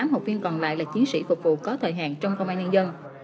tám học viên còn lại là chiến sĩ phục vụ có thời hạn trong công an nhân dân